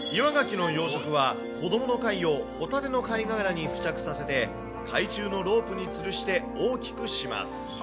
岩ガキの養殖を子どもの貝をホタテの貝殻に付着させて海中のロープにつるして大きくします。